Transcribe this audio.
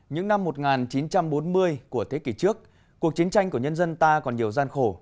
những năm một nghìn chín trăm bốn mươi của thế kỷ trước cuộc chiến tranh của nhân dân ta còn nhiều gian khổ